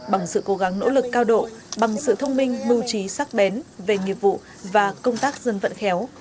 bằng sự cố gắng nỗ lực cao độ bằng sự thông minh mưu trí sắc bén về nghiệp vụ và công tác dân vận khéo